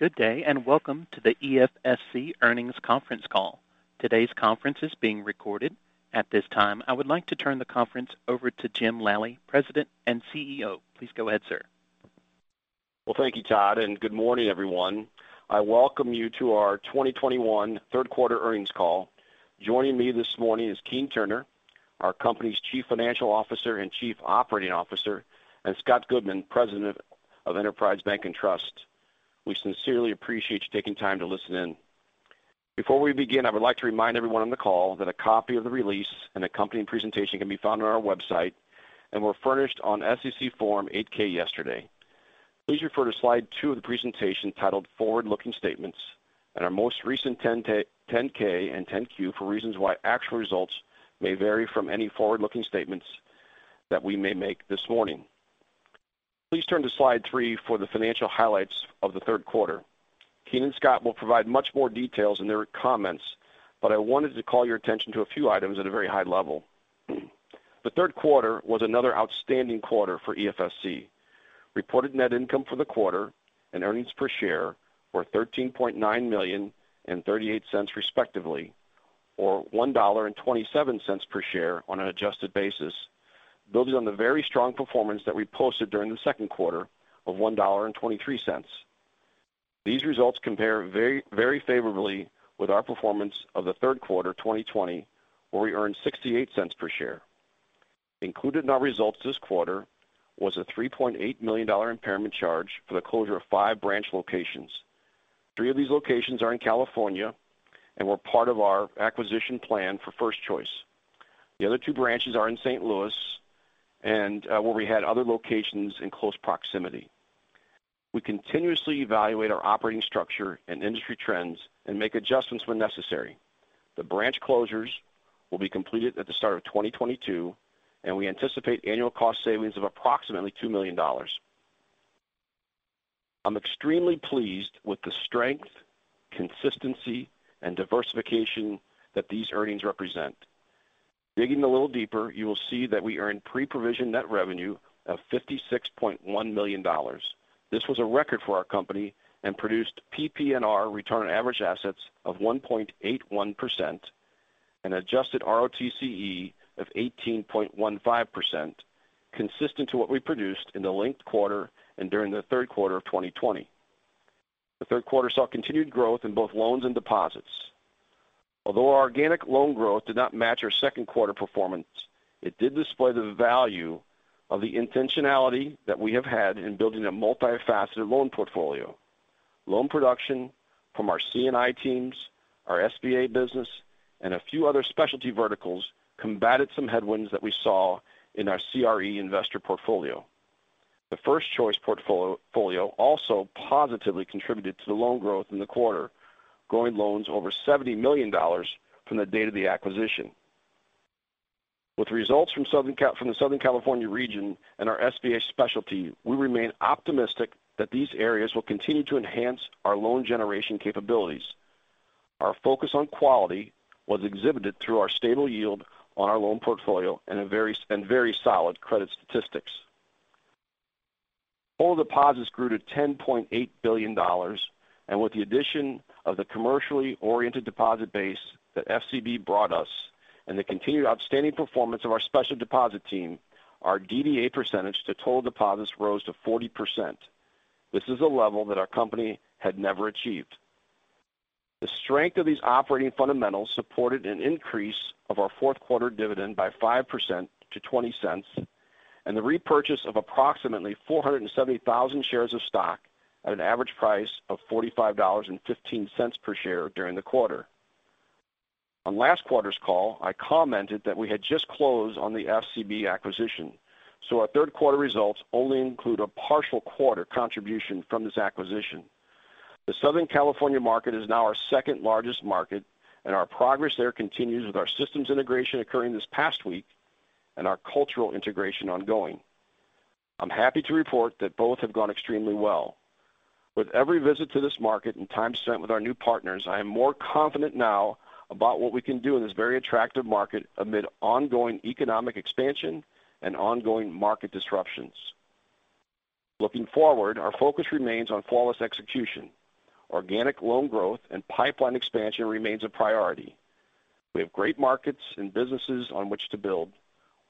Good day, and welcome to the EFSC earnings conference call. Today's conference is being recorded. At this time, I would like to turn the conference over to Jim Lally, President and CEO. Please go ahead, sir. Well, thank you, Todd, and good morning, everyone. I welcome you to our 2021 third quarter earnings call. Joining me this morning is Keene Turner, our company's Chief Financial Officer and Chief Operating Officer, and Scott Goodman, President of Enterprise Bank & Trust. We sincerely appreciate you taking time to listen in. Before we begin, I would like to remind everyone on the call that a copy of the release and accompanying presentation can be found on our website, and were furnished on SEC Form 8-K yesterday. Please refer to slide two of the presentation titled Forward Looking Statements and our most recent 10-K and 10-Q for reasons why actual results may vary from any forward-looking statements that we may make this morning. Please turn to slide 3 for the financial highlights of the third quarter. Keene and Scott will provide much more details in their comments, but I wanted to call your attention to a few items at a very high level. The third quarter was another outstanding quarter for EFSC. Reported net income for the quarter and earnings per share were $13.9 million and $0.38 respectively, or $1.27 per share on an adjusted basis, building on the very strong performance that we posted during the second quarter of $1.23. These results compare very, very favorably with our performance of the third quarter 2020, where we earned $0.68 per share. Included in our results this quarter was a $3.8 million impairment charge for the closure of 5 branch locations. 3 of these locations are in California and were part of our acquisition plan for First Choice. The other two branches are in St. Louis and where we had other locations in close proximity. We continuously evaluate our operating structure and industry trends and make adjustments when necessary. The branch closures will be completed at the start of 2022, and we anticipate annual cost savings of approximately $2 million. I'm extremely pleased with the strength, consistency and diversification that these earnings represent. Digging a little deeper, you will see that we earned pre-provision net revenue of $56.1 million. This was a record for our company and produced PPNR return on average assets of 1.81% and adjusted ROTCE of 18.15%, consistent to what we produced in the linked quarter and during the third quarter of 2020. The third quarter saw continued growth in both loans and deposits. Although our organic loan growth did not match our second quarter performance, it did display the value of the intentionality that we have had in building a multifaceted loan portfolio. Loan production from our C&I teams, our SBA business, and a few other specialty verticals combated some headwinds that we saw in our CRE investor portfolio. The First Choice portfolio also positively contributed to the loan growth in the quarter, growing loans over $70 million from the date of the acquisition. With results from the Southern California region and our SBA specialty, we remain optimistic that these areas will continue to enhance our loan generation capabilities. Our focus on quality was exhibited through our stable yield on our loan portfolio and a very solid credit statistics. All deposits grew to $10.8 billion, and with the addition of the commercially oriented deposit base that FCB brought us and the continued outstanding performance of our special deposit team, our DDA percentage to total deposits rose to 40%. This is a level that our company had never achieved. The strength of these operating fundamentals supported an increase of our fourth quarter dividend by 5% to $0.20, and the repurchase of approximately 470,000 shares of stock at an average price of $45.15 per share during the quarter. On last quarter's call, I commented that we had just closed on the FCB acquisition, so our third quarter results only include a partial quarter contribution from this acquisition. The Southern California market is now our second largest market, and our progress there continues with our systems integration occurring this past week and our cultural integration ongoing. I'm happy to report that both have gone extremely well. With every visit to this market and time spent with our new partners, I am more confident now about what we can do in this very attractive market amid ongoing economic expansion and ongoing market disruptions. Looking forward, our focus remains on flawless execution. Organic loan growth and pipeline expansion remains a priority. We have great markets and businesses on which to build.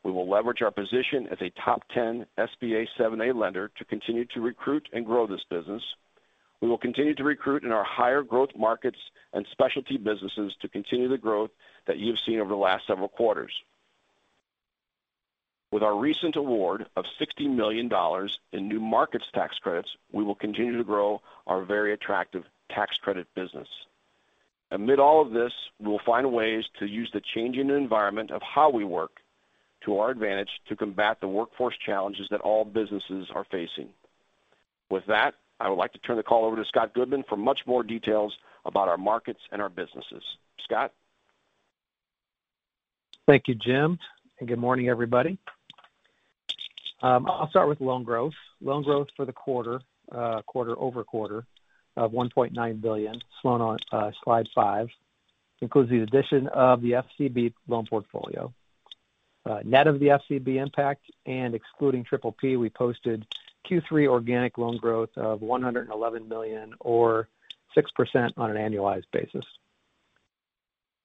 We will leverage our position as a top 10 SBA 7(a) lender to continue to recruit and grow this business. We will continue to recruit in our higher growth markets and specialty businesses to continue the growth that you have seen over the last several quarters. With our recent award of $60 million in New Markets Tax Credits, we will continue to grow our very attractive tax credit business. Amid all of this, we will find ways to use the changing environment of how we work to our advantage to combat the workforce challenges that all businesses are facing. With that, I would like to turn the call over to Scott Goodman for much more details about our markets and our businesses. Scott? Thank you, Jim, and good morning, everybody. I'll start with loan growth. Loan growth for the quarter-over-quarter of $1.9 billion, as shown on slide 5, includes the addition of the FCB loan portfolio. Net of the FCB impact and excluding PPP, we posted Q3 organic loan growth of $111 million or 6% on an annualized basis.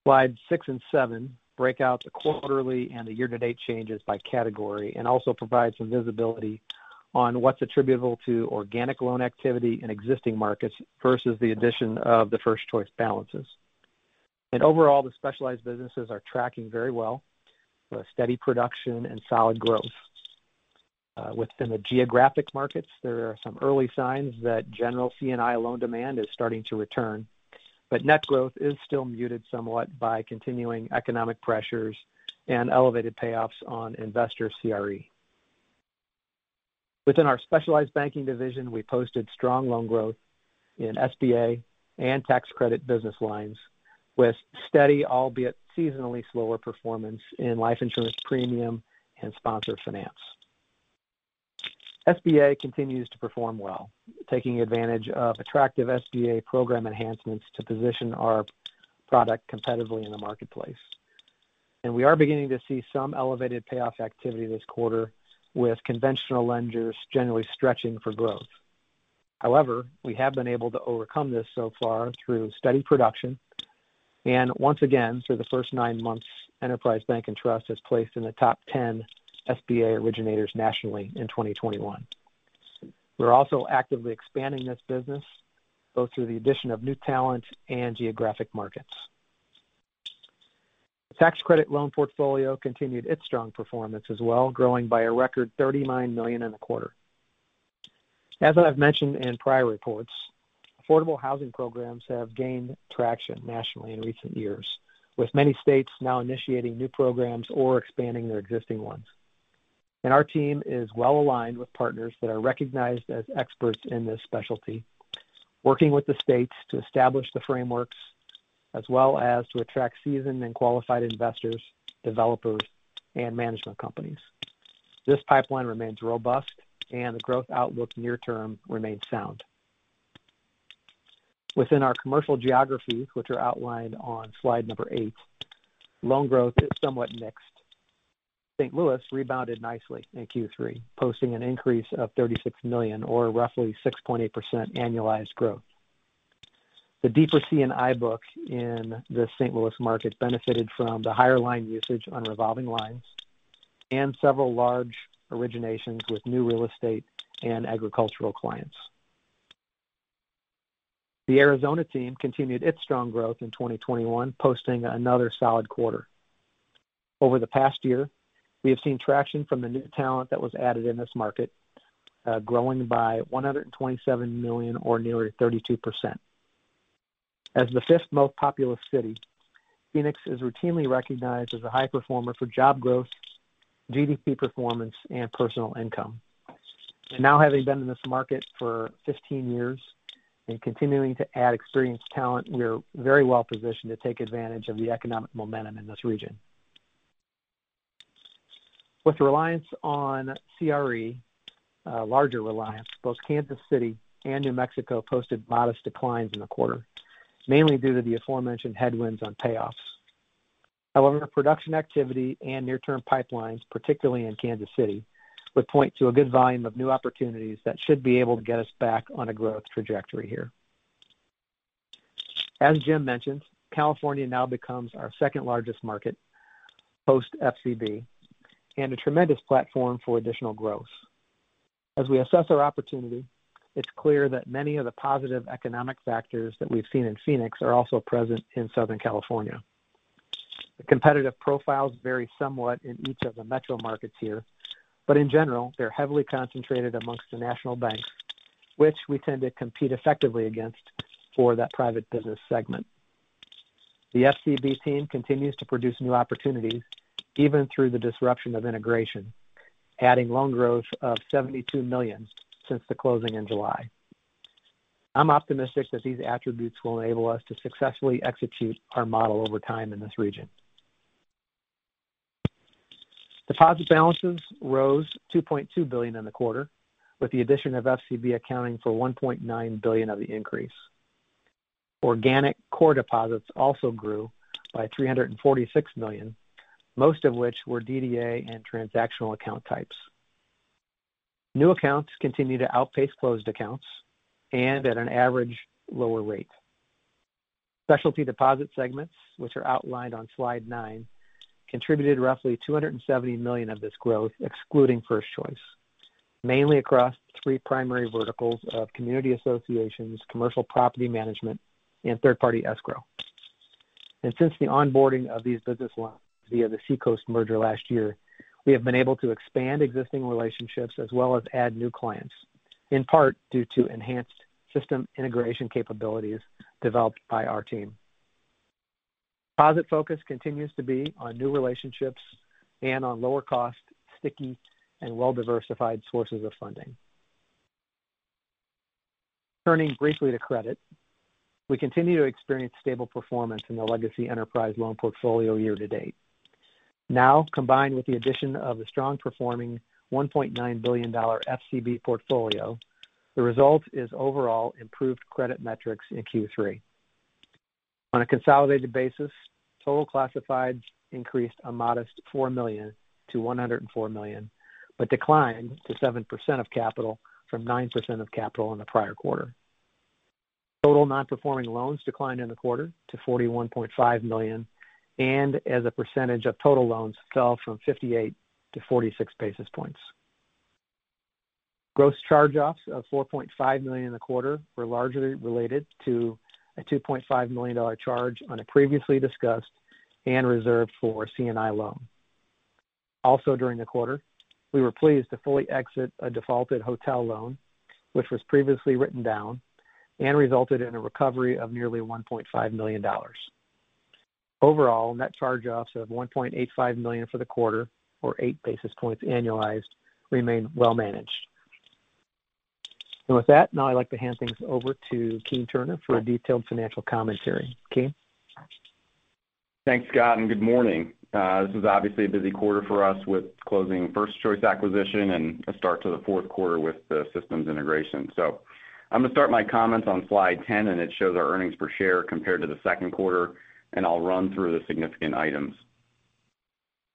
Slides 6 and 7 break out the quarterly and the year-to-date changes by category and also provide some visibility on what's attributable to organic loan activity in existing markets versus the addition of the First Choice balances. Overall, the specialized businesses are tracking very well with steady production and solid growth. Within the geographic markets, there are some early signs that general C&I loan demand is starting to return. Net growth is still muted somewhat by continuing economic pressures and elevated payoffs on investor CRE. Within our specialized banking division, we posted strong loan growth in SBA and tax credit business lines with steady albeit seasonally slower performance in life insurance premium and sponsor finance. SBA continues to perform well, taking advantage of attractive SBA program enhancements to position our product competitively in the marketplace. We are beginning to see some elevated payoff activity this quarter with conventional lenders generally stretching for growth. However, we have been able to overcome this so far through steady production. Once again, for the first nine months, Enterprise Bank & Trust has placed in the top 10 SBA originators nationally in 2021. We're also actively expanding this business both through the addition of new talent and geographic markets. The tax credit loan portfolio continued its strong performance as well, growing by a record $39 million in the quarter. As I've mentioned in prior reports, affordable housing programs have gained traction nationally in recent years, with many states now initiating new programs or expanding their existing ones. Our team is well aligned with partners that are recognized as experts in this specialty, working with the states to establish the frameworks as well as to attract seasoned and qualified investors, developers, and management companies. This pipeline remains robust and the growth outlook near term remains sound. Within our commercial geographies, which are outlined on slide eight, loan growth is somewhat mixed. St. Louis rebounded nicely in Q3, posting an increase of $36 million or roughly 6.8% annualized growth. The deeper C&I book in the St. Louis market benefited from the higher line usage on revolving lines and several large originations with new real estate and agricultural clients. The Arizona team continued its strong growth in 2021, posting another solid quarter. Over the past year, we have seen traction from the new talent that was added in this market, growing by $127 million or nearly 32%. As the fifth most populous city, Phoenix is routinely recognized as a high performer for job growth, GDP performance, and personal income. Now having been in this market for 15 years and continuing to add experienced talent, we're very well positioned to take advantage of the economic momentum in this region. With reliance on CRE, larger reliance, both Kansas City and New Mexico posted modest declines in the quarter, mainly due to the aforementioned headwinds on payoffs. However, production activity and near-term pipelines, particularly in Kansas City, would point to a good volume of new opportunities that should be able to get us back on a growth trajectory here. As Jim mentioned, California now becomes our second largest market post FCB and a tremendous platform for additional growth. As we assess our opportunity, it's clear that many of the positive economic factors that we've seen in Phoenix are also present in Southern California. The competitive profiles vary somewhat in each of the metro markets here, but in general, they're heavily concentrated amongst the national banks, which we tend to compete effectively against for that private business segment. The FCB team continues to produce new opportunities even through the disruption of integration, adding loan growth of $72 million since the closing in July. I'm optimistic that these attributes will enable us to successfully execute our model over time in this region. Deposit balances rose $2.2 billion in the quarter, with the addition of FCB accounting for $1.9 billion of the increase. Organic core deposits also grew by $346 million, most of which were DDA and transactional account types. New accounts continue to outpace closed accounts and at an average lower rate. Specialty deposit segments, which are outlined on slide nine, contributed roughly $270 million of this growth, excluding First Choice, mainly across three primary verticals of community associations, commercial property management, and third-party escrow. Since the onboarding of these business lines via the Seacoast merger last year, we have been able to expand existing relationships as well as add new clients, in part due to enhanced system integration capabilities developed by our team. Deposit focus continues to be on new relationships and on lower cost, sticky, and well-diversified sources of funding. Turning briefly to credit, we continue to experience stable performance in the legacy Enterprise loan portfolio year to date. Now, combined with the addition of the strong performing $1.9 billion FCB portfolio, the result is overall improved credit metrics in Q3. On a consolidated basis, total classified increased a modest $4 million to $104 million, but declined to 7% of capital from 9% of capital in the prior quarter. Total non-performing loans declined in the quarter to $41.5 million, and as a percentage of total loans fell from 58 to 46 basis points. Gross charge-offs of $4.5 million in the quarter were largely related to a $2.5 million charge on a previously discussed and reserved for C&I loan. Also during the quarter, we were pleased to fully exit a defaulted hotel loan, which was previously written down and resulted in a recovery of nearly $1.5 million. Overall, net charge-offs of $1.85 million for the quarter, or 8 basis points annualized, remain well managed. With that, now I'd like to hand things over to Keene Turner for a detailed financial commentary. Keene? Thanks, Scott, and good morning. This is obviously a busy quarter for us with closing First Choice acquisition and a start to the fourth quarter with the systems integration. I'm gonna start my comments on slide 10, and it shows our earnings per share compared to the second quarter, and I'll run through the significant items.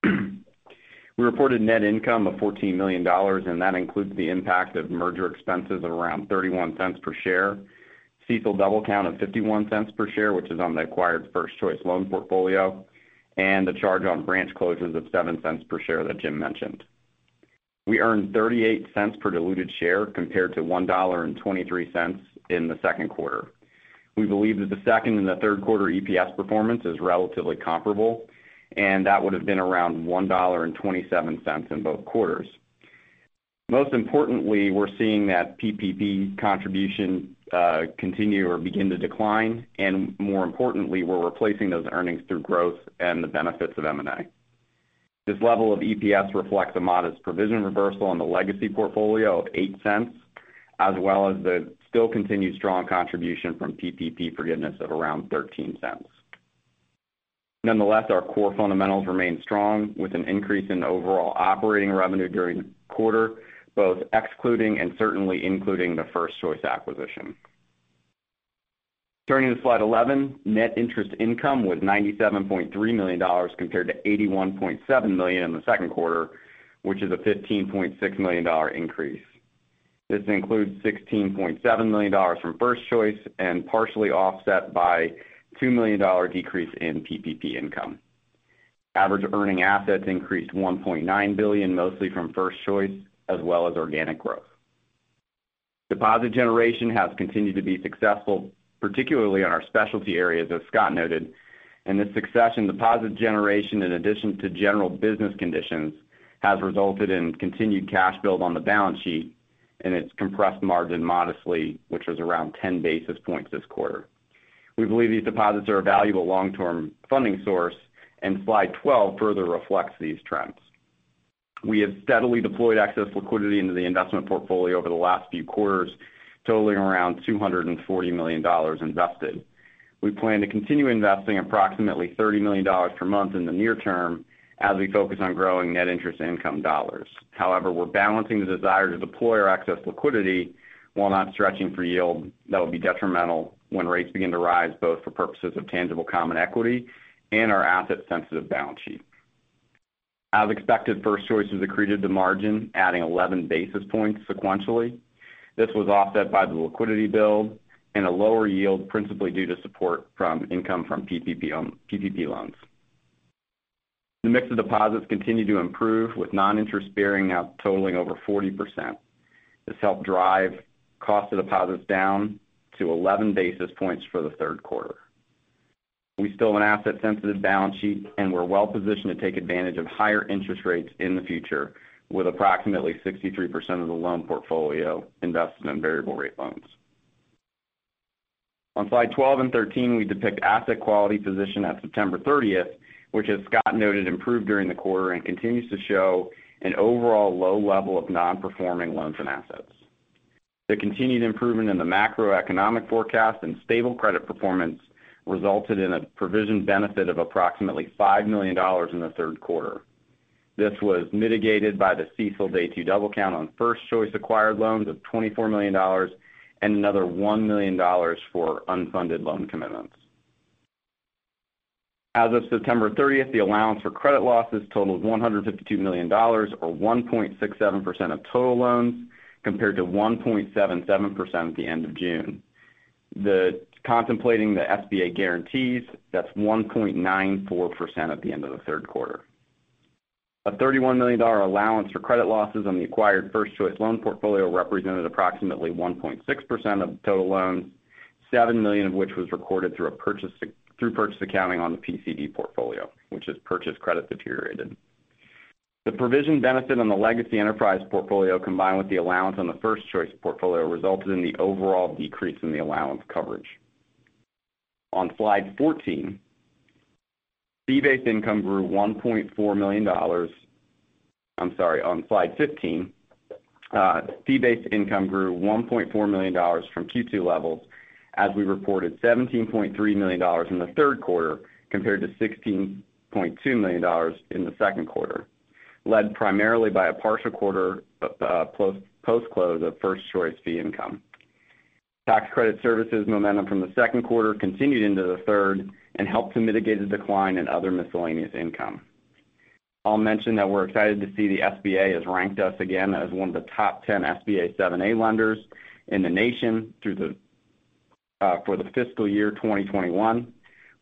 We reported net income of $14 million, and that includes the impact of merger expenses of around 31 cents per share. CECL double count of 51 cents per share, which is on the acquired First Choice loan portfolio, and a charge on branch closures of 7 cents per share that Jim mentioned. We earned 38 cents per diluted share compared to $1.23 in the second quarter. We believe that the second and the third quarter EPS performance is relatively comparable, and that would've been around $1.27 in both quarters. Most importantly, we're seeing that PPP contribution continue or begin to decline, and more importantly, we're replacing those earnings through growth and the benefits of M&A. This level of EPS reflects a modest provision reversal on the legacy portfolio of $0.08, as well as the still continued strong contribution from PPP forgiveness of around $0.13. Nonetheless, our core fundamentals remain strong with an increase in overall operating revenue during the quarter, both excluding and certainly including the First Choice acquisition. Turning to slide 11, net interest income was $97.3 million compared to $81.7 million in the second quarter, which is a $15.6 million increase. This includes $16.7 million from First Choice and partially offset by $2 million dollar decrease in PPP income. Average earning assets increased $1.9 billion, mostly from First Choice as well as organic growth. Deposit generation has continued to be successful, particularly on our specialty areas, as Scott noted. The seasonal deposit generation, in addition to general business conditions, has resulted in continued cash build on the balance sheet and it's compressed margin modestly, which was around 10 basis points this quarter. We believe these deposits are a valuable long-term funding source, and slide 12 further reflects these trends. We have steadily deployed excess liquidity into the investment portfolio over the last few quarters, totaling around $240 million invested. We plan to continue investing approximately $30 million per month in the near term as we focus on growing net interest income dollars. However, we're balancing the desire to deploy our excess liquidity while not stretching for yield that will be detrimental when rates begin to rise, both for purposes of tangible common equity and our asset-sensitive balance sheet. As expected, First Choice has accreted to margin, adding 11 basis points sequentially. This was offset by the liquidity build and a lower yield principally due to support from income from PPP loans. The mix of deposits continue to improve with non-interest-bearing now totaling over 40%. This helped drive cost of deposits down to 11 basis points for the third quarter. We still have an asset sensitive balance sheet, and we're well-positioned to take advantage of higher interest rates in the future with approximately 63% of the loan portfolio invested in variable rate loans. On slide 12 and 13, we depict asset quality position at September 30, which as Scott noted, improved during the quarter and continues to show an overall low level of non-performing loans and assets. The continued improvement in the macroeconomic forecast and stable credit performance resulted in a provision benefit of approximately $5 million in the third quarter. This was mitigated by the CECL Day 2 double count on First Choice acquired loans of $24 million and another $1 million for unfunded loan commitments. As of September thirtieth, the allowance for credit losses totaled $152 million or 1.67% of total loans, compared to 1.77% at the end of June. Contemplating the SBA guarantees, that's 1.94% at the end of the third quarter. A $31 million allowance for credit losses on the acquired First Choice loan portfolio represented approximately 1.6% of total loans, $7 million of which was recorded through purchase accounting on the PCD portfolio, which is purchase credit deteriorated. The provision benefit on the legacy Enterprise portfolio, combined with the allowance on the First Choice portfolio, resulted in the overall decrease in the allowance coverage. On slide 14, fee-based income grew $1.4 million. I'm sorry. On slide 15, fee-based income grew $1.4 million from Q2 levels as we reported $17.3 million in the third quarter compared to $16.2 million in the second quarter. Led primarily by a partial quarter post-close of First Choice fee income. Tax credit services momentum from the second quarter continued into the third and helped to mitigate a decline in other miscellaneous income. I'll mention that we're excited to see the SBA has ranked us again as one of the top 10 SBA 7(a) lenders in the nation through the for the fiscal year 2021.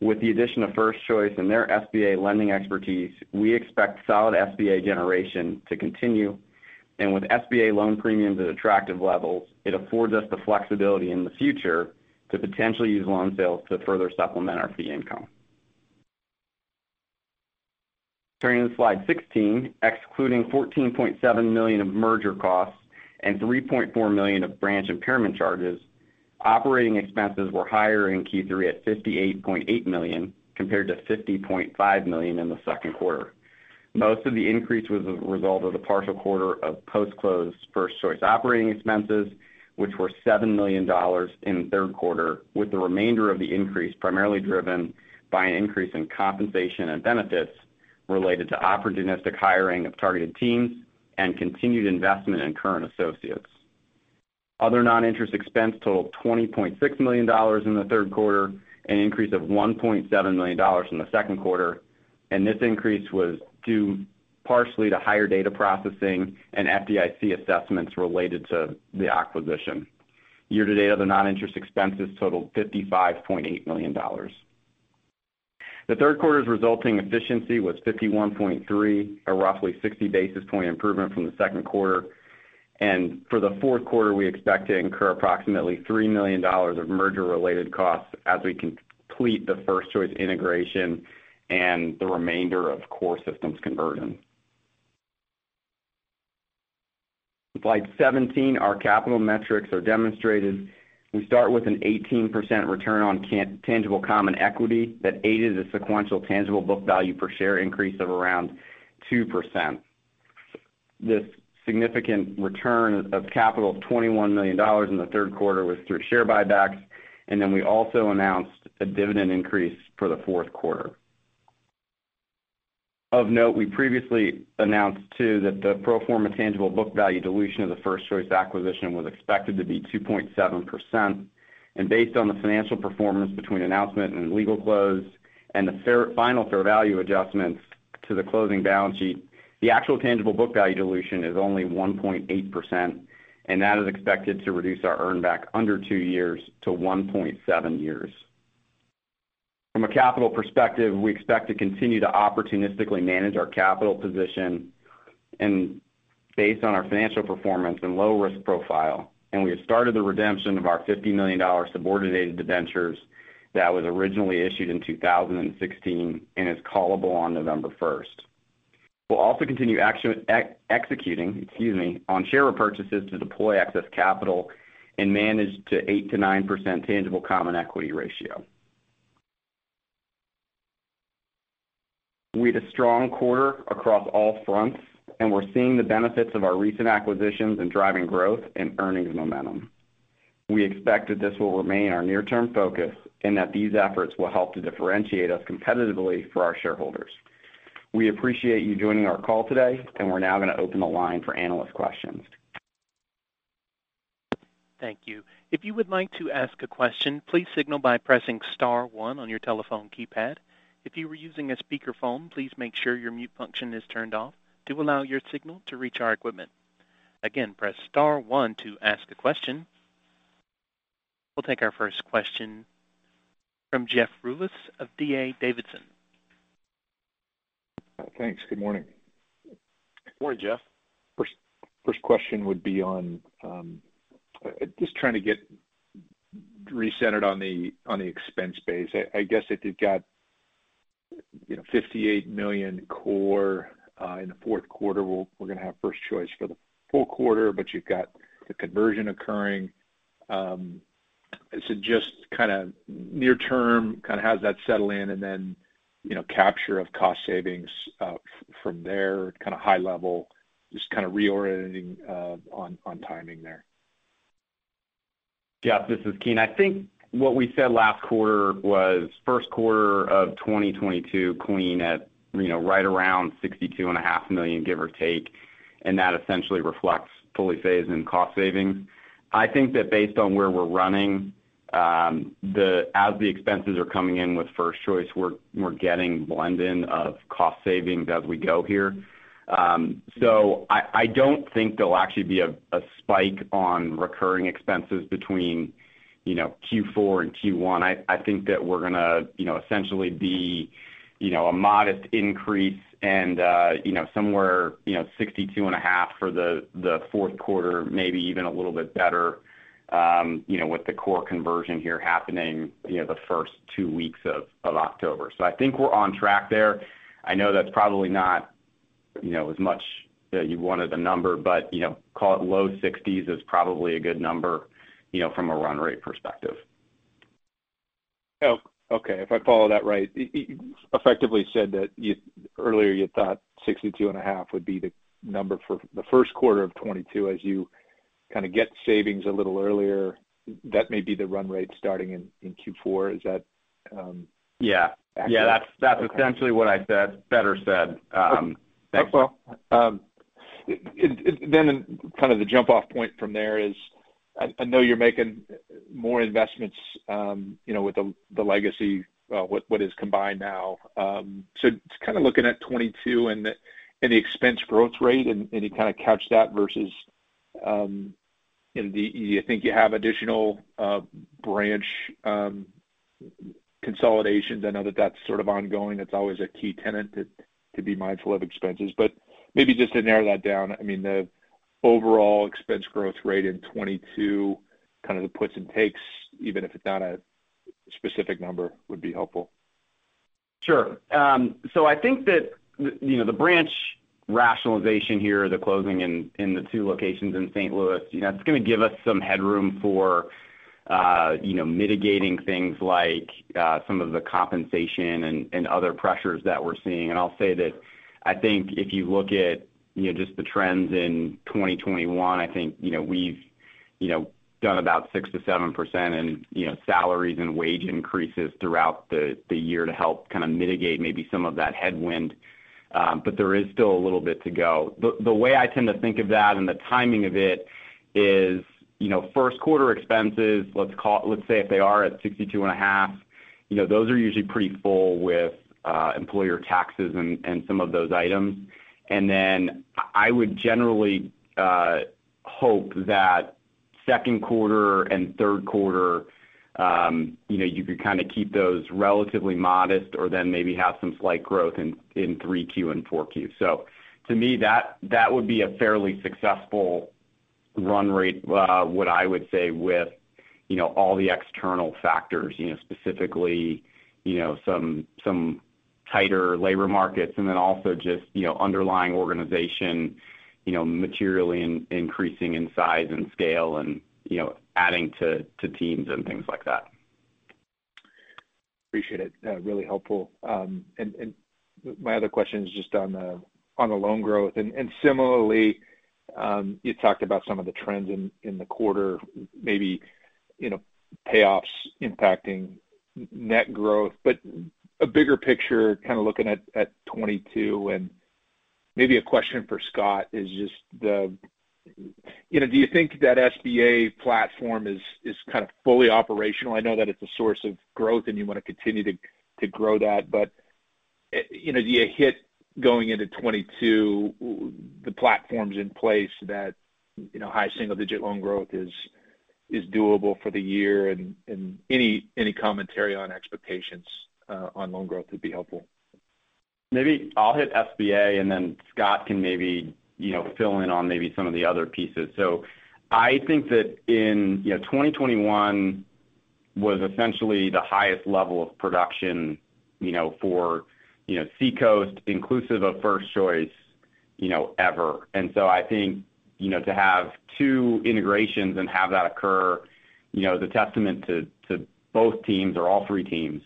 With the addition of First Choice and their SBA lending expertise, we expect solid SBA generation to continue. With SBA loan premiums at attractive levels, it affords us the flexibility in the future to potentially use loan sales to further supplement our fee income. Turning to slide 16. Excluding $14.7 million of merger costs and $3.4 million of branch impairment charges, operating expenses were higher in Q3 at $58.8 million, compared to $50.5 million in the second quarter. Most of the increase was a result of the partial quarter of post-close First Choice operating expenses, which were $7 million in the third quarter, with the remainder of the increase primarily driven by an increase in compensation and benefits related to opportunistic hiring of targeted teams and continued investment in current associates. Other non-interest expense totaled $20.6 million in the third quarter, an increase of $1.7 million from the second quarter, and this increase was due partially to higher data processing and FDIC assessments related to the acquisition. Year-to-date, other non-interest expenses totaled $55.8 million. The third quarter's resulting efficiency was 51.3%, a roughly 60 basis point improvement from the second quarter. For the fourth quarter, we expect to incur approximately $3 million of merger-related costs as we complete the First Choice integration and the remainder of core systems conversion. Slide seventeen, our capital metrics are demonstrated. We start with an 18% return on tangible common equity that aided a sequential tangible book value per share increase of around 2%. This significant return of capital of $21 million in the third quarter was through share buybacks, and then we also announced a dividend increase for the fourth quarter. Of note, we previously announced too that the pro forma tangible book value dilution of the First Choice acquisition was expected to be 2.7%. Based on the financial performance between announcement and legal close and the final fair value adjustments to the closing balance sheet, the actual tangible book value dilution is only 1.8%, and that is expected to reduce our earn back under two years to 1.7 years. From a capital perspective, we expect to continue to opportunistically manage our capital position and based on our financial performance and low risk profile. We have started the redemption of our $50 million subordinated debentures that was originally issued in 2016 and is callable on November 1. We'll also continue executing, excuse me, on share repurchases to deploy excess capital and manage to 8%-9% tangible common equity ratio. We had a strong quarter across all fronts, and we're seeing the benefits of our recent acquisitions in driving growth and earnings momentum. We expect that this will remain our near-term focus and that these efforts will help to differentiate us competitively for our shareholders. We appreciate you joining our call today, and we're now going to open the line for analyst questions. We'll take our first question from Jeff Rulis of D.A. Davidson. Thanks. Good morning. Morning, Jeff. First question would be on just trying to get recentered on the expense base. I guess if you've got, you know, $58 million core in the fourth quarter, we're going to have First Choice for the full quarter, but you've got the conversion occurring. Just kind of near-term, kind of how does that settle in and then, you know, capture of cost savings from there, kind of high-level, just kind of reorienting on timing there. Jeff, this is Keene. I think what we said last quarter was first quarter of 2022 clean at, you know, right around $62.5 million, give or take, and that essentially reflects fully phased in cost savings. I think that based on where we're running, as the expenses are coming in with First Choice, we're getting blend in of cost savings as we go here. I don't think there'll actually be a spike on recurring expenses between, you know, Q4 and Q1. I think that we're gonna, you know, essentially be, you know, a modest increase and, you know, somewhere, you know, $62.5 million for the fourth quarter, maybe even a little bit better, you know, with the core conversion here happening, you know, the first two weeks of October. I think we're on track there. I know that's probably not, you know, as much, you know, you wanted a number, but you know, call it low 60s is probably a good number, you know, from a run rate perspective. Oh, okay. If I follow that right, you effectively said that earlier you thought 62.5 would be the number for the first quarter of 2022 as you kind of get savings a little earlier. That may be the run rate starting in Q4. Is that Yeah. Actually. Yeah. That's essentially what I said. Better said. Okay. That's all. Then kind of the jump off point from there is I know you're making more investments, you know, with the legacy what is combined now. Just kinda looking at 2022 and the expense growth rate, any kind of catch that versus, and do you think you have additional branch consolidations? I know that that's sort of ongoing. That's always a key tenet to be mindful of expenses. Maybe just to narrow that down, I mean, the overall expense growth rate in 2022, kind of the puts and takes, even if it's not a specific number, would be helpful. Sure. So I think that, you know, the branch rationalization here, the closing in the two locations in St. Louis, you know, it's gonna give us some headroom for, you know, mitigating things like, some of the compensation and other pressures that we're seeing. I'll say that I think if you look at, you know, just the trends in 2021, I think, you know, we've, you know, done about 6%-7% in, you know, salaries and wage increases throughout the year to help kinda mitigate maybe some of that headwind. But there is still a little bit to go. The way I tend to think of that and the timing of it is, you know, first quarter expenses, let's say if they are at 62.5%, you know, those are usually pretty full with employer taxes and some of those items. I would generally hope that second quarter and third quarter, you know, you could kinda keep those relatively modest or then maybe have some slight growth in 3Q and 4Q. To me, that would be a fairly successful run rate, what I would say with, you know, all the external factors, you know, specifically, you know, some tighter labor markets and then also just, you know, underlying organization, you know, materially increasing in size and scale and, you know, adding to teams and things like that. Appreciate it. Really helpful. My other question is just on the loan growth. Similarly, you talked about some of the trends in the quarter, maybe you know, payoffs impacting net growth. A bigger picture kinda looking at 2022 and maybe a question for Scott is just the you know, do you think that SBA platform is kind of fully operational? I know that it's a source of growth and you wanna continue to grow that. You know, do you have going into 2022 the platforms in place that you know, high single-digit loan growth is doable for the year? And any commentary on expectations on loan growth would be helpful. Maybe I'll hit SBA, and then Scott can maybe, you know, fill in on maybe some of the other pieces. I think that in, you know, 2021 was essentially the highest level of production, you know, for, you know, Seacoast inclusive of First Choice, you know, ever. I think, you know, to have two integrations and have that occur, you know, is a testament to both teams or all three teams.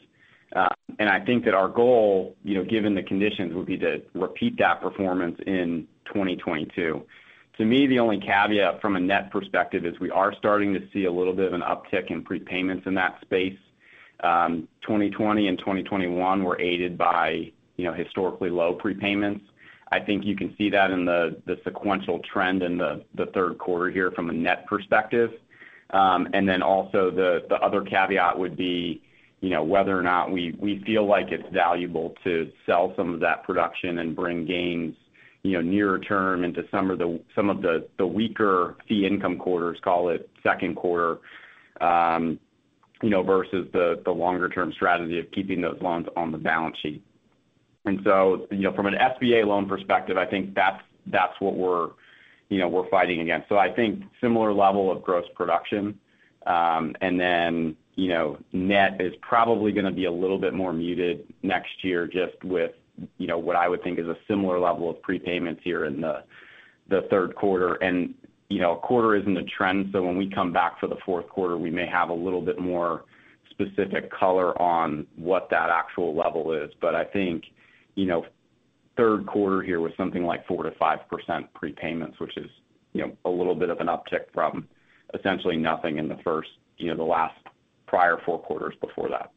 I think that our goal, you know, given the conditions, would be to repeat that performance in 2022. To me, the only caveat from a net perspective is we are starting to see a little bit of an uptick in prepayments in that space. 2020 and 2021 were aided by, you know, historically low prepayments. I think you can see that in the sequential trend in the third quarter here from a net perspective. Then also the other caveat would be, you know, whether or not we feel like it's valuable to sell some of that production and bring gains, you know, near term into some of the weaker fee income quarters, call it second quarter, you know, versus the longer-term strategy of keeping those loans on the balance sheet. You know, from an SBA loan perspective, I think that's what we're fighting against. I think similar level of gross production, and then, you know, net is probably gonna be a little bit more muted next year just with, you know, what I would think is a similar level of prepayments here in the third quarter. You know, a quarter isn't a trend, so when we come back for the fourth quarter, we may have a little bit more specific color on what that actual level is. I think, you know, third quarter here was something like 4%-5% prepayments, which is, you know, a little bit of an uptick from essentially nothing in the first, you know, the last prior four quarters before that.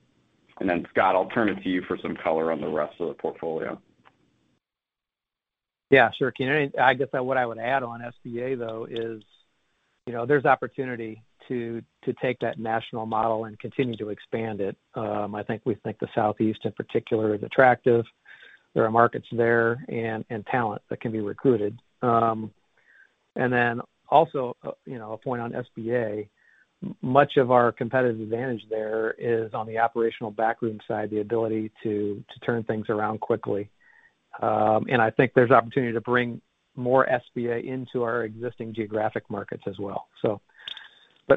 Then, Scott, I'll turn it to you for some color on the rest of the portfolio. Yeah, sure. I guess what I would add on SBA, though, is, you know, there's opportunity to take that national model and continue to expand it. I think the Southeast in particular is attractive. There are markets there and talent that can be recruited. Then also, you know, a point on SBA, much of our competitive advantage there is on the operational backroom side, the ability to turn things around quickly. I think there's opportunity to bring more SBA into our existing geographic markets as well.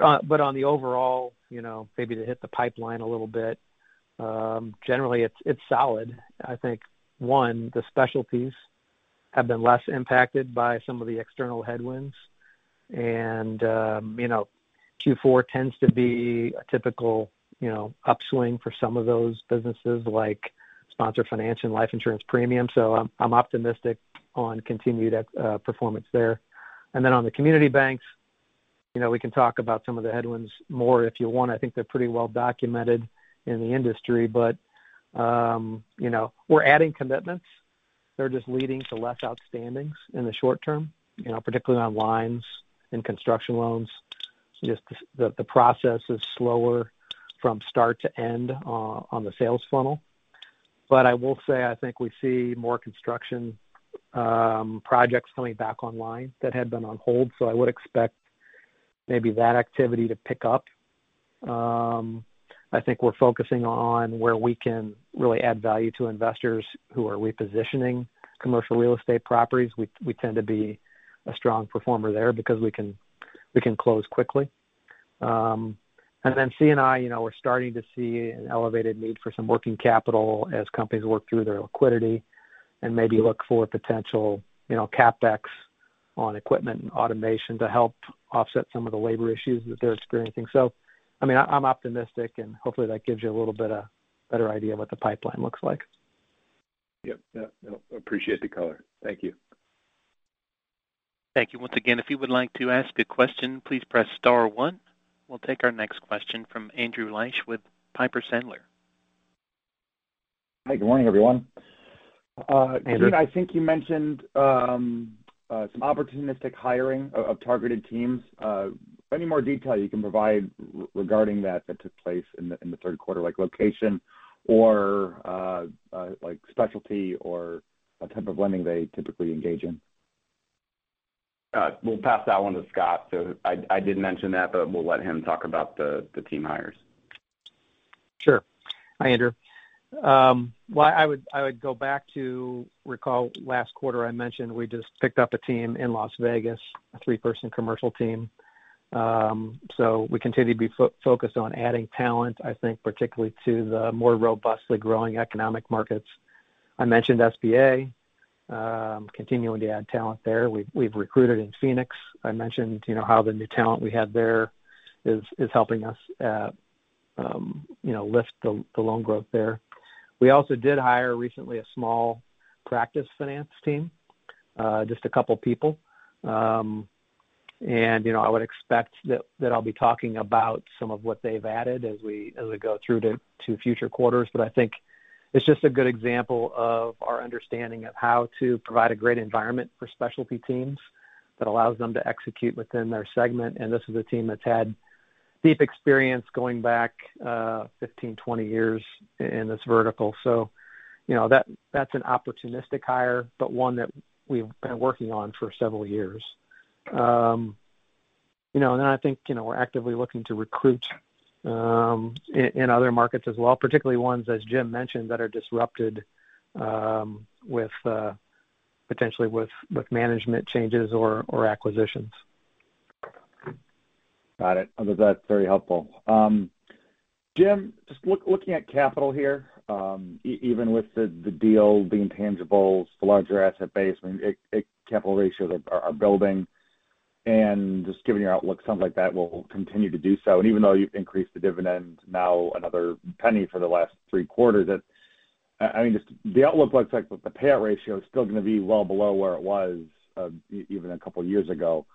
On the overall, you know, maybe to hit the pipeline a little bit, generally it's solid. I think, one, the specialties have been less impacted by some of the external headwinds. You know. Q4 tends to be a typical, you know, upswing for some of those businesses like sponsor finance and life insurance premium. I'm optimistic on continued performance there. Then on the community banks, you know, we can talk about some of the headwinds more if you want. I think they're pretty well documented in the industry. You know, we're adding commitments. They're just leading to less outstandings in the short term, you know, particularly on lines and construction loans. Just the process is slower from start to end on the sales funnel. I will say, I think we see more construction projects coming back online that had been on hold. I would expect maybe that activity to pick up. I think we're focusing on where we can really add value to investors who are repositioning commercial real estate properties. We tend to be a strong performer there because we can close quickly. C&I, you know, we're starting to see an elevated need for some working capital as companies work through their liquidity and maybe look for potential, you know, CapEx on equipment and automation to help offset some of the labor issues that they're experiencing. I mean, I'm optimistic, and hopefully that gives you a little bit better idea what the pipeline looks like. Yep. Yeah, yep. Appreciate the color. Thank you. Thank you. Once again, if you would like to ask a question, please press star one. We'll take our next question from Andrew Liesch with Piper Sandler. Hi, good morning, everyone. Andrew. I think you mentioned some opportunistic hiring of targeted teams. Any more detail you can provide regarding that that took place in the third quarter, like location or, like specialty or what type of lending they typically engage in? We'll pass that one to Scott. I did mention that, but we'll let him talk about the team hires. Sure. Hi, Andrew. Well, I would go back to recall last quarter I mentioned we just picked up a team in Las Vegas, a three-person commercial team. We continue to be focused on adding talent, I think particularly to the more robustly growing economic markets. I mentioned SBA continuing to add talent there. We've recruited in Phoenix. I mentioned you know how the new talent we have there is helping us you know lift the loan growth there. We also did hire recently a small practice finance team just a couple people. You know I would expect that I'll be talking about some of what they've added as we go through to future quarters. I think it's just a good example of our understanding of how to provide a great environment for specialty teams that allows them to execute within their segment. This is a team that's had deep experience going back 15, 20 years in this vertical. You know, that's an opportunistic hire, but one that we've been working on for several years. You know, I think you know, we're actively looking to recruit in other markets as well, particularly ones, as Jim mentioned, that are disrupted, potentially with management changes or acquisitions. Got it. Other than that, very helpful. Jim, just looking at capital here, even with the deal being tangibles, the larger asset base, I mean, capital ratios are building. Just given your outlook, something like that will continue to do so. Even though you've increased the dividend now another penny for the last three quarters, I mean, just the outlook looks like the payout ratio is still going to be well below where it was, even a couple years ago.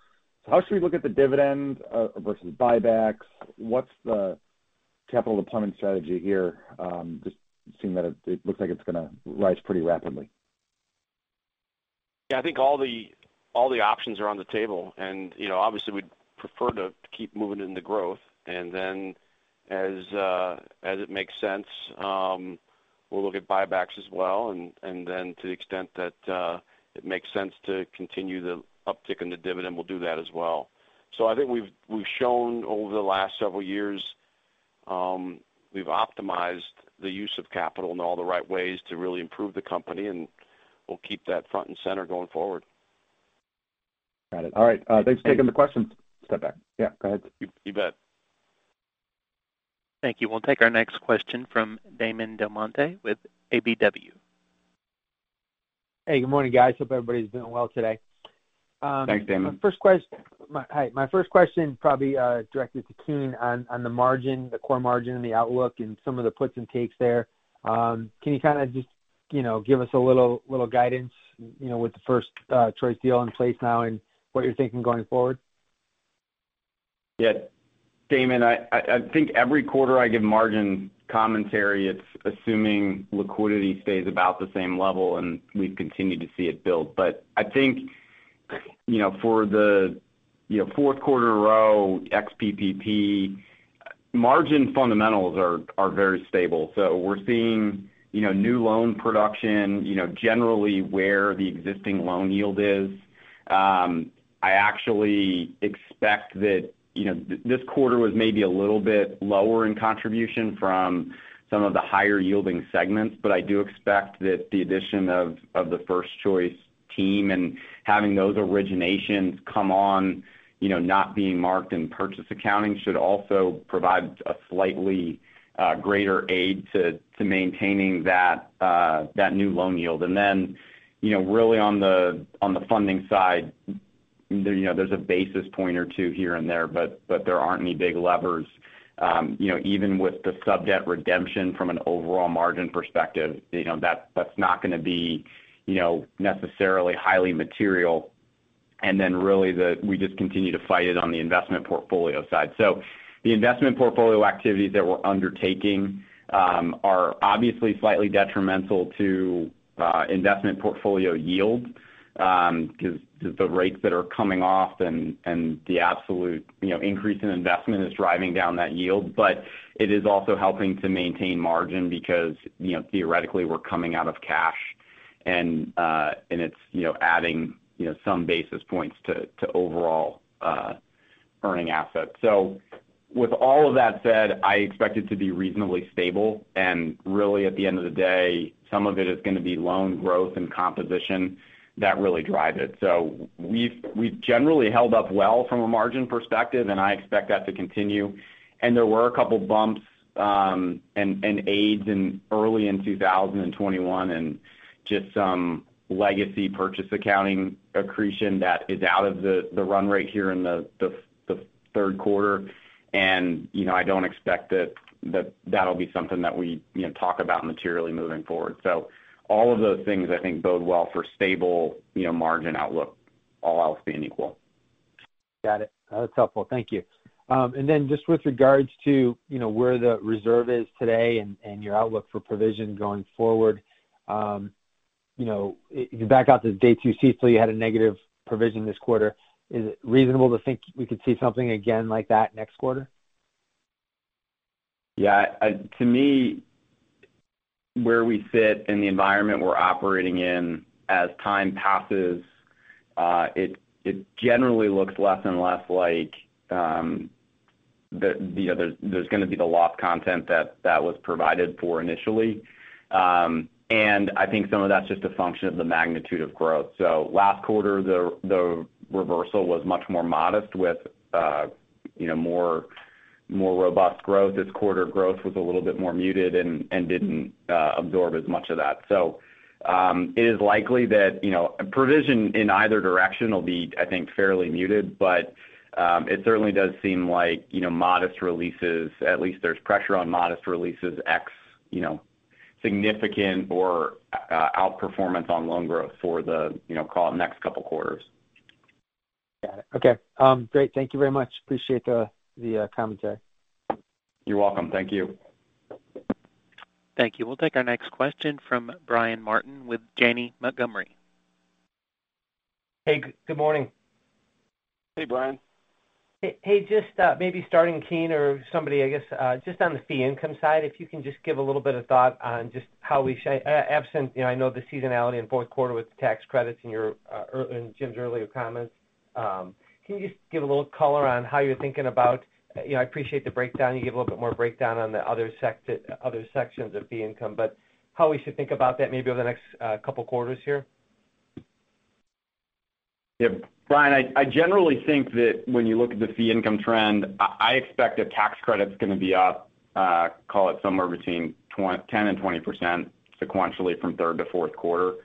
How should we look at the dividend versus buybacks? What's the capital deployment strategy here? Just seeing that it looks like it's gonna rise pretty rapidly. Yeah, I think all the options are on the table. You know, obviously we'd prefer to keep moving into growth. Then as it makes sense, we'll look at buybacks as well. Then to the extent that it makes sense to continue the uptick in the dividend, we'll do that as well. I think we've shown over the last several years, we've optimized the use of capital in all the right ways to really improve the company, and we'll keep that front and center going forward. Got it. All right. Thanks. Thanks for taking the question. Step back. Yeah, go ahead. You bet. Thank you. We'll take our next question from Damon DelMonte with KBW. Hey, good morning, guys. Hope everybody's doing well today. Thanks, Damon. My first question probably directed to Keen on the margin, the core margin and the outlook and some of the puts and takes there. Can you kind of just, you know, give us a little guidance, you know, with the First Choice deal in place now and what you're thinking going forward? Yeah. Damon, I think every quarter I give margin commentary, it's assuming liquidity stays about the same level, and we've continued to see it build. I think, you know, for the fourth quarter ROA, ex PPP, margin fundamentals are very stable. We're seeing, you know, new loan production generally where the existing loan yield is. I actually expect that this quarter was maybe a little bit lower in contribution from some of the higher yielding segments. I do expect that the addition of the First Choice team and having those originations come on, you know, not being marked in purchase accounting should also provide a slightly greater aid to maintaining that new loan yield. You know, really on the funding side You know, there's a basis point or two here and there, but there aren't any big levers. You know, even with the sub-debt redemption from an overall margin perspective, you know, that's not gonna be, you know, necessarily highly material. We just continue to fight it on the investment portfolio side. The investment portfolio activities that we're undertaking are obviously slightly detrimental to investment portfolio yield 'cause the rates that are coming off and the absolute, you know, increase in investment is driving down that yield. It is also helping to maintain margin because, you know, theoretically, we're coming out of cash and it's, you know, adding, you know, some basis points to overall earning assets. With all of that said, I expect it to be reasonably stable and really at the end of the day, some of it is gonna be loan growth and composition that really drive it. We've generally held up well from a margin perspective, and I expect that to continue. There were a couple bumps and aids in early 2021 and just some legacy purchase accounting accretion that is out of the run rate here in the third quarter. You know, I don't expect that that'll be something that we you know talk about materially moving forward. All of those things I think bode well for stable you know margin outlook, all else being equal. Got it. That's helpful. Thank you. And then just with regards to, you know, where the reserve is today and your outlook for provision going forward, you know, if you back out the Day 2 CECL, you had a negative provision this quarter. Is it reasonable to think we could see something again like that next quarter? Yeah. To me, where we sit in the environment we're operating in as time passes, it generally looks less and less like, you know, there's gonna be the loss content that was provided for initially. I think some of that's just a function of the magnitude of growth. Last quarter, the reversal was much more modest with, you know, more robust growth. This quarter, growth was a little bit more muted and didn't absorb as much of that. It is likely that, you know, provision in either direction will be, I think, fairly muted, but it certainly does seem like, you know, modest releases, at least there's pressure on modest releases except, you know, significant or outperformance on loan growth for the, you know, call it next couple quarters. Got it. Okay. Great. Thank you very much. Appreciate the commentary. You're welcome. Thank you. Thank you. We'll take our next question from Brian Martin with Janney Montgomery. Hey, good morning. Hey, Brian. Hey, just maybe starting Keene or somebody, I guess, just on the fee income side, if you can just give a little bit of thought on just how we should, absent, you know, I know the seasonality in fourth quarter with the tax credits in Jim's earlier comments. Can you just give a little color on how you're thinking about. You know, I appreciate the breakdown. You gave a little bit more breakdown on the other sections of fee income, but how we should think about that maybe over the next couple quarters here. Yeah. Brian, I generally think that when you look at the fee income trend, I expect that tax credit's gonna be up, call it somewhere between 10%-20% sequentially from third to fourth quarter.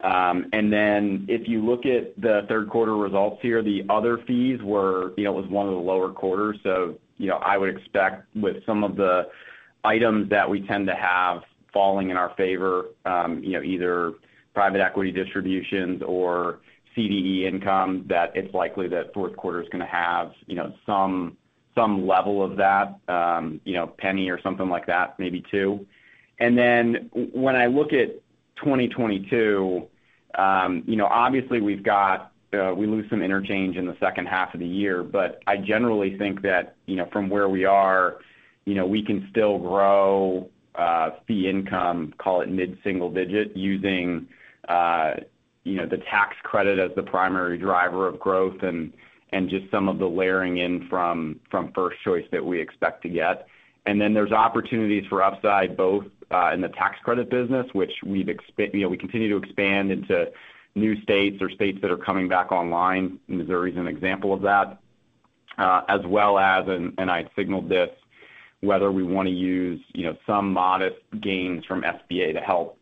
If you look at the third quarter results here, the other fees were, you know, it was one of the lower quarters. You know, I would expect with some of the items that we tend to have falling in our favor, you know, either private equity distributions or CDE income, that it's likely that fourth quarter is gonna have, you know, some level of that, you know, penny or something like that, maybe two. When I look at 2022, you know, obviously we've got, we lose some interchange in the second half of the year. I generally think that, you know, from where we are, you know, we can still grow fee income, call it mid-single-digit%, using, you know, the tax credit as the primary driver of growth and just some of the layering in from First Choice that we expect to get. There's opportunities for upside both in the tax credit business, which, you know, we continue to expand into new states or states that are coming back online. Missouri is an example of that. As well as, and I signaled this, whether we wanna use, you know, some modest gains from SBA to help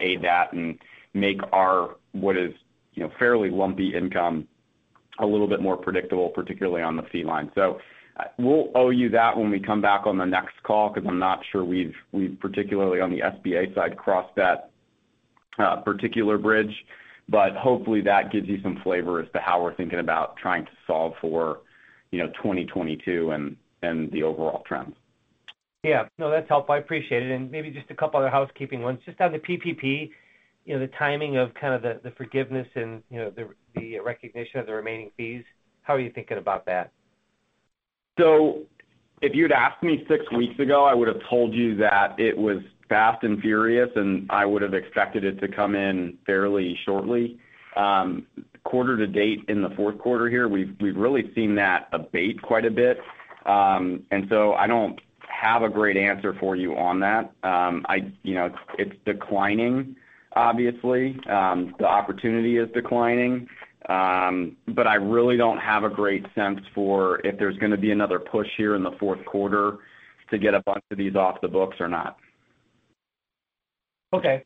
aid that and make our what is, you know, fairly lumpy income a little bit more predictable, particularly on the fee line. We'll owe you that when we come back on the next call because I'm not sure we've particularly on the SBA side crossed that particular bridge. Hopefully that gives you some flavor as to how we're thinking about trying to solve for, you know, 2022 and the overall trends. Yeah. No, that's helpful. I appreciate it. Maybe just a couple other housekeeping ones. Just on the PPP, you know, the timing of kind of the forgiveness and, you know, the recognition of the remaining fees, how are you thinking about that? If you'd asked me six weeks ago, I would have told you that it was fast and furious, and I would have expected it to come in fairly shortly. Quarter to date in the fourth quarter here, we've really seen that abate quite a bit. I don't have a great answer for you on that. You know, it's declining obviously. The opportunity is declining. I really don't have a great sense for if there's gonna be another push here in the fourth quarter to get a bunch of these off the books or not. Okay.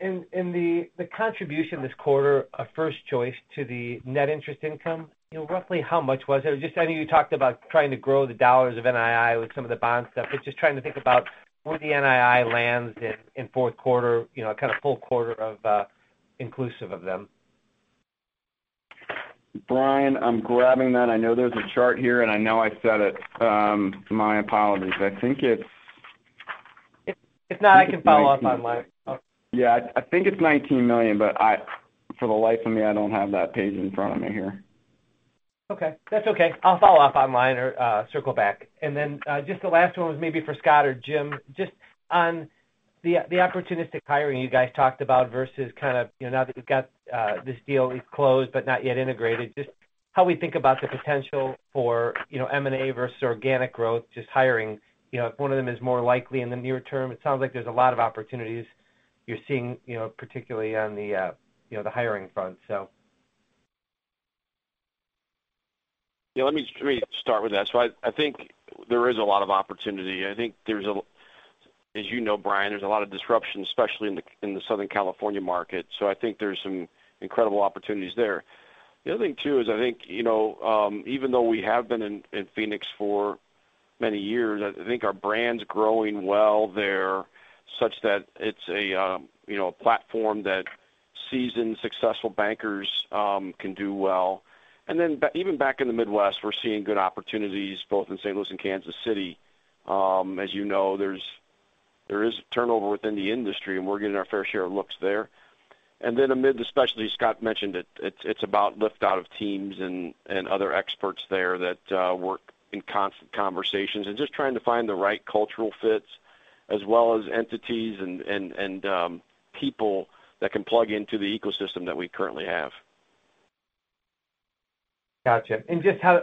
In the contribution this quarter of First Choice to the net interest income, you know, roughly how much was it? Just, I know you talked about trying to grow the dollars of NII with some of the bond stuff, but just trying to think about where the NII lands in fourth quarter, you know, kind of full quarter of inclusive of them. Brian, I'm grabbing that. I know there's a chart here, and I know I said it. My apologies. I think it's. If not, I can follow up online. Yeah. I think it's $19 million, but for the life of me, I don't have that page in front of me here. Okay. That's okay. I'll follow up online or circle back. Then, just the last one was maybe for Scott or Jim, just on the opportunistic hiring you guys talked about versus kind of, you know, now that you've got this deal is closed but not yet integrated, just how we think about the potential for, you know, M&A versus organic growth, just hiring. You know, if one of them is more likely in the near term. It sounds like there's a lot of opportunities you're seeing, you know, particularly on the, you know, the hiring front. Yeah, let me start with that. I think there is a lot of opportunity. As you know, Brian, there is a lot of disruption, especially in the Southern California market. I think there is some incredible opportunities there. The other thing too is I think, you know, even though we have been in Phoenix for many years, I think our brand's growing well there such that it is a platform that seasoned, successful bankers can do well. Then even back in the Midwest, we are seeing good opportunities both in St. Louis and Kansas City. As you know, there is turnover within the industry, and we are getting our fair share of looks there. Amid the specialties, Scott mentioned it's about lift out of teams and other experts there that work in constant conversations and just trying to find the right cultural fits as well as entities and people that can plug into the ecosystem that we currently have. Gotcha. Just how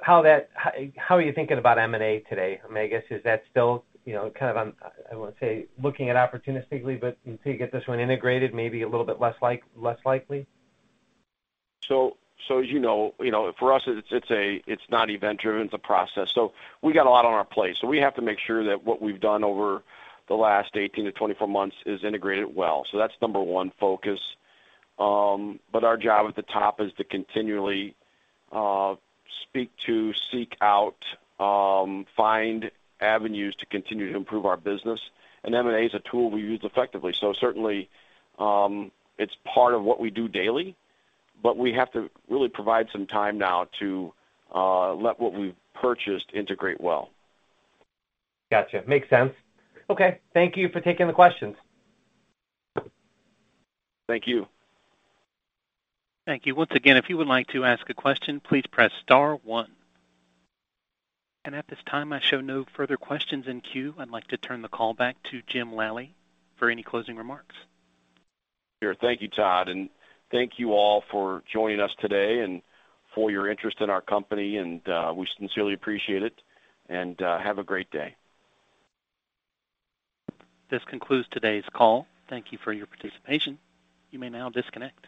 are you thinking about M&A today? I mean, I guess, is that still, you know, kind of on, I wouldn't say looking at opportunistically, but until you get this one integrated, maybe a little bit less likely? As you know, for us, it's not event-driven, it's a process. We got a lot on our plate. We have to make sure that what we've done over the last 18-24 months is integrated well. That's number one focus. Our job at the top is to continually speak to, seek out, find avenues to continue to improve our business. M&A is a tool we use effectively. Certainly, it's part of what we do daily, but we have to really provide some time now to let what we've purchased integrate well. Gotcha. Makes sense. Okay. Thank you for taking the questions. Thank you. Thank you. Once again, if you would like to ask a question, please press star one. At this time, I show no further questions in queue. I'd like to turn the call back to Jim Lally for any closing remarks. Sure. Thank you, Todd. Thank you all for joining us today and for your interest in our company, and we sincerely appreciate it. Have a great day. This concludes today's call. Thank you for your participation. You may now disconnect.